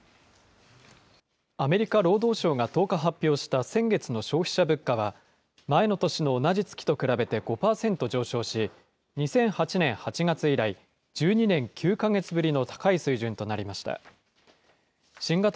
アメリカ労働省が１０日発表した先月の消費者物価は、前の年の同じ月と比べて５％上昇し、２００８年８月以来１２年９か月ぶりの高い水準となりました。